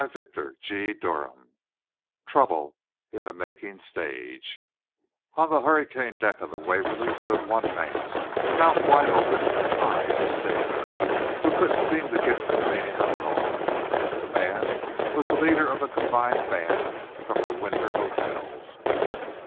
CHAPTER II TROUBLE IN THE MAKING STAGE On the hurricane deck of the "Waverly" stood one man, mouth wide open and eyes a stare, who couldn't seem to get the meaning of it all. That man was the leader of the combined band from the winter hotels.